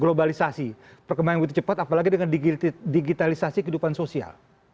globalisasi perkembangan yang begitu cepat apalagi dengan digitalisasi kehidupan sosial